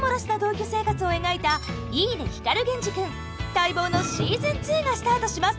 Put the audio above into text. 待望のしずん２がスタートします！